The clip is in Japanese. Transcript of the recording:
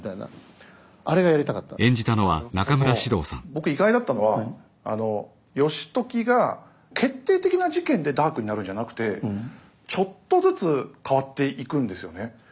僕意外だったのは義時が決定的な事件でダークになるんじゃなくてちょっとずつ変わっていくんですよね。